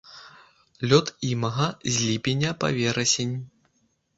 Лёт імага з ліпеня па верасень.